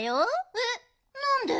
えっなんで？